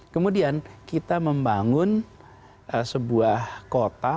kemudian kita membangun sebuah kota